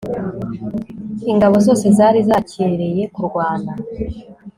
ingabo zose zari zakereye kurwana